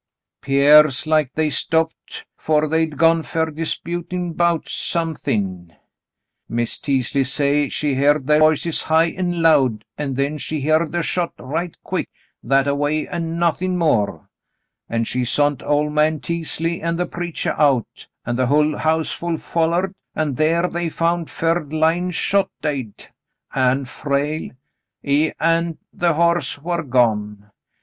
'Pears like they stopped 'fore they'd gone fer, disputin' 'bouts some thin'. 01' Miz Teasley say she heered ther voices high an' loud, an' then she heered a shot right quick, that a way, an' nothin' more ; an' she sont ol' man Teasley an' the preachah out, an' the hull houseful foUered, an* thar they found Ferd lyin' shot dade — an' Frale — he an' the horse war gone.